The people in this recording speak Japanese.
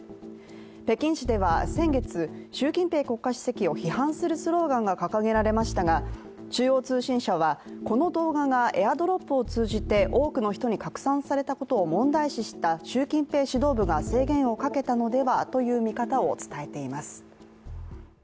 北京市では先月、習近平国家主席を批判するスローガンが掲げられましたが、中央通信社は、この動画がＡｉｒＤｒｏｐを通じて多くの人に拡散されたことを問題視した習近平指導部が制限をかけたのではという見方を伝えています。